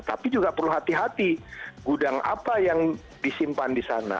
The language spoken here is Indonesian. tapi juga perlu hati hati gudang apa yang disimpan di sana